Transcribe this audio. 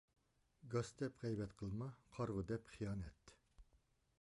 گاس دەپ غەيۋەت قىلما، قارىغۇ دەپ خىيانەت.